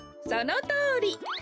そのとおり。